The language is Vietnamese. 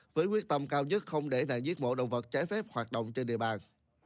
với quyết tâm cao nhất không để đại giết mổ động vật trái phép hoạt động trên địa bàn